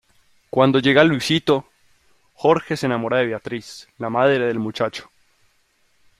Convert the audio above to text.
Cuando llega Luisito, Jorge se enamora de Beatriz, la madre del muchacho.